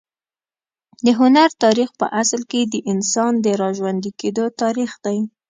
د هنر تاریخ په اصل کې د انسان د راژوندي کېدو تاریخ دی.